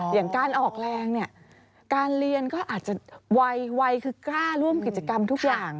อย่างการออกแรงเนี่ยการเรียนก็อาจจะไวคือกล้าร่วมกิจกรรมทุกอย่าง